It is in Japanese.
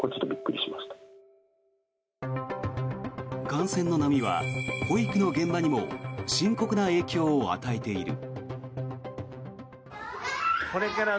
感染の波は保育の現場にも深刻な影響を与えている。